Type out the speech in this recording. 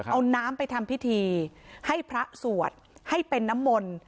เอาน้ำไปทำพิธีให้พระสวดให้เป็นน้ำมนต์